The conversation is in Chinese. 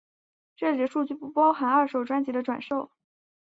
这里的数据不包含二手专辑的转售。